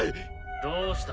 どうした？